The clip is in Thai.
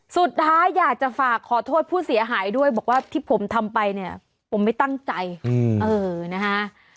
สุดท้ายอยากจะฝากขอโทษผู้เสียหายด้วยบอกว่าที่ผมทำไปเนี่ยผมไม่ตั้งใจเออนะฮะ